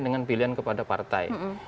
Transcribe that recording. dengan pilihan kepada partai